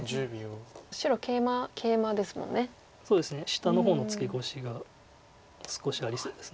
下の方のツケコシが少しありそうです。